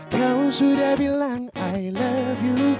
kau sudah bilang i love you